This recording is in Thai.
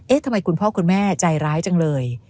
ทำไมคุณพ่อคุณแม่ใจร้ายจังเลย